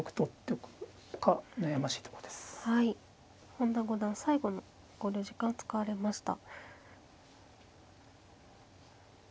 本田五段最後の考慮時間を使われました。